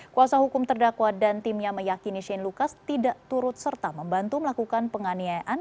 kuasa hukum terdakwa dan timnya meyakini shane lucas tidak turut serta membantu melakukan penganiayaan